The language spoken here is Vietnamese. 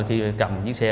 khi cầm chiếc xe